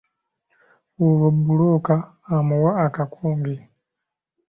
Olwo bbulooka amuwa akakonge.